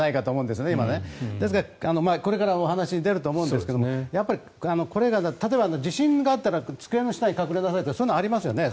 ですが、これからお話に出ると思うんですがやっぱり例えば地震があったら机の下に隠れなさいってそういうのがありますよね。